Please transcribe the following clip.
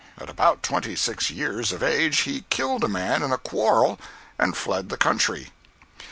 At about twenty six years of age he killed a man in a quarrel and fled the country.